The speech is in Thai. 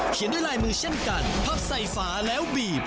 ด้วยลายมือเช่นกันพับใส่ฝาแล้วบีบ